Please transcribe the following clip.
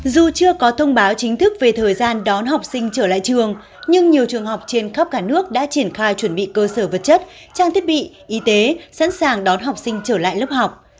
dù chưa có thông báo chính thức về thời gian đón học sinh trở lại trường nhưng nhiều trường học trên khắp cả nước đã triển khai chuẩn bị cơ sở vật chất trang thiết bị y tế sẵn sàng đón học sinh trở lại lớp học